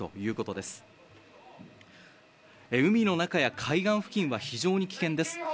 海の中や海岸付近は非常に危険です。